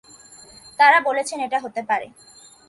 তাঁরা বলেছেন এটা হতে পারে।